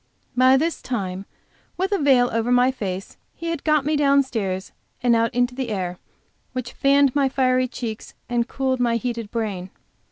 By this time, with a veil over my face, he had got me downstairs and out into the air, which fanned my fiery cheeks and cooled my heated brain.